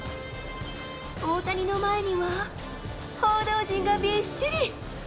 大谷の前には、報道陣がびっしり。